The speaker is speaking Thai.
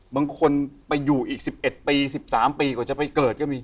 บางคนไปอยู่อีก๑๑ปี๑๓ปีกว่าจะไปเกิดก็มี